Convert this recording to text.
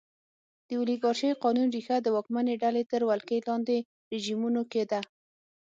د اولیګارشۍ قانون ریښه د واکمنې ډلې تر ولکې لاندې رژیمونو کې ده.